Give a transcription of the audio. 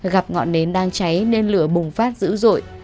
gặp ngọn nến đang cháy nên lửa bùng phát dữ dội